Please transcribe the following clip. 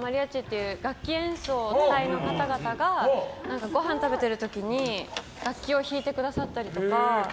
マリアッチっていう楽器演奏の方がごはん食べてる時に楽器を弾いてくださったりとか。